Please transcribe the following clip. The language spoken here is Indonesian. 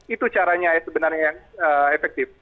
itu caranya sebenarnya yang efektif